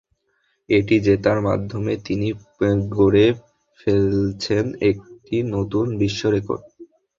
এটি জেতার মাধ্যমে, তিনি গড়ে ফেলছেন একটি নতুন বিশ্বরেকর্ড!